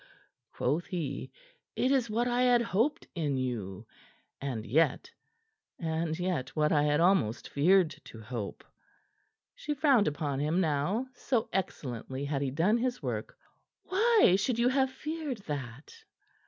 quoth he. "It is what I had hoped in you, and yet and yet what I had almost feared to hope." She frowned upon him now, so excellently had he done his work. "Why should you have feared that?"